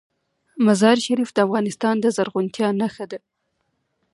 مزارشریف د افغانستان د زرغونتیا نښه ده.